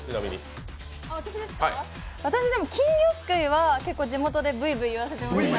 私、金魚すくいは結構、地元でブイブイ言わせてました。